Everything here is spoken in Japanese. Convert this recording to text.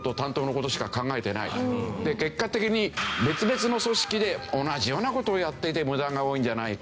で結果的に別々の組織で同じような事をやっていて無駄が多いんじゃないか。